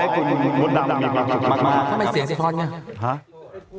ทำไมเสียงเสียงดูไง